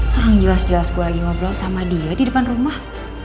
orang jelas jelas gue lagi ngobrol sama dia di depan rumah